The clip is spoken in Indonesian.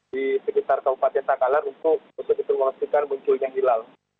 di sekitar kabupaten takalar untuk informasikan munculnya hilal